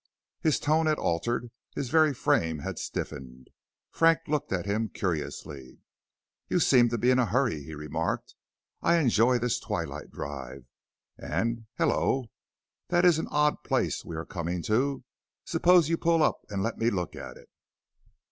His tone had altered, his very frame had stiffened. Frank looked at him curiously. "You seem to be in a hurry," he remarked. "I enjoy this twilight drive, and haloo! this is an odd old place we are coming to. Suppose you pull up and let me look at it."